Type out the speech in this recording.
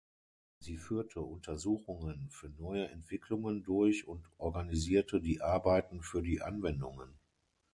Sie führte Untersuchungen für neue Entwicklungen durch und organisierte die Arbeiten für die Anwendungen.